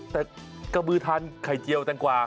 แต่กระบือทานไข่เจียวแตงกว่า